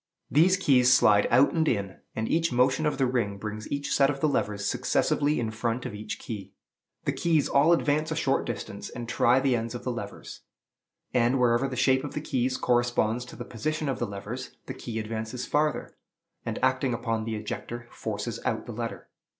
These keys slide out and in, and each motion of the ring brings each set of the levers successively in front of each key. The keys all advance a short distance, and try the ends of the levers; and, wherever the shape of the keys corresponds to the position of the levers, the key advances farther, and, acting upon the ejector, forces out the letter.